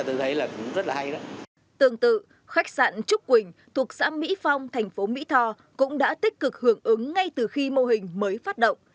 tương tự khách sạn trúc quỳnh thuộc xã mỹ phong thành phố mỹ tho cũng đã tích cực hưởng ứng ngay từ khi mô hình mới phát động